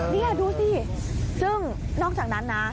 นี่ดูสิซึ่งนอกจากนั้นนะ